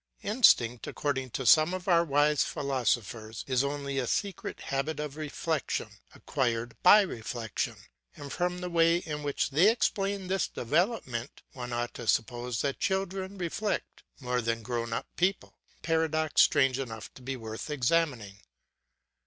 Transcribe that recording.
Instinct, according to some of our wise philosophers, is only a secret habit of reflection, acquired by reflection; and from the way in which they explain this development one ought to suppose that children reflect more than grown up people: a paradox strange enough to be worth examining.